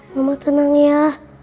mama tenang ya